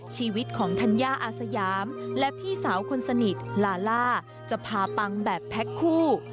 ชีวิตของธัญญาอาสยามและพี่สาวคนสนิทลาล่าจะพาปังแบบแพ็คคู่